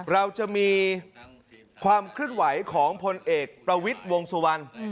เราจะมีความเคลื่อนไหวของพลเอกประวิทย์วงสุวรรณ